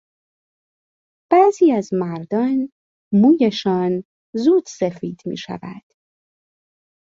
بعضی از مردان مویشان زود سفید میشود.